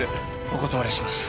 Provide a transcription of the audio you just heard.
お断りします。